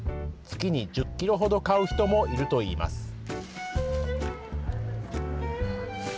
月に１０ｋｇほど買う人もいるといいます。